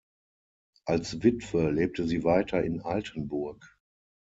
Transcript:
Als Witwe lebte sie weiter in Altenburg.